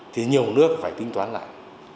thì nhiều nước phải tính toán lại